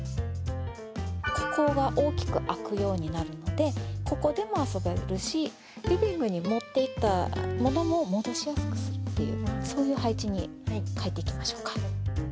ここが大きく空くようになるので、ここでも遊べるし、リビングに持っていったものも、戻しやすくするっていう、そういう配置に変えていきましょうか。